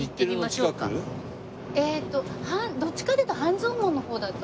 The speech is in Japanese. えっとどっちかというと半蔵門の方だと。